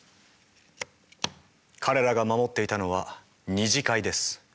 彼らが守っていたのは二次会です。